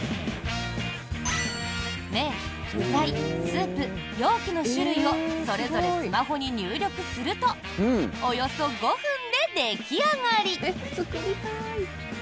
麺、具材、スープ、容器の種類をそれぞれスマホに入力するとおよそ５分で出来上がり。